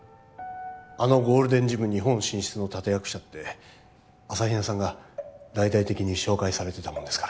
あのゴールデンジム日本進出の立役者って朝日奈さんが大々的に紹介されてたもんですから。